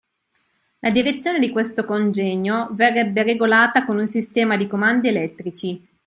La direzione di questo congegno verrebbe regolata con un sistema di comandi elettrici.